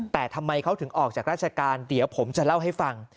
แต่ทำไมเขาถึงออกจากราชการเดี๋ยวผมจะเล่าให้ฟัง